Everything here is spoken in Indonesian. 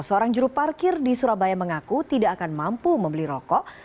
seorang juru parkir di surabaya mengaku tidak akan mampu membeli rokok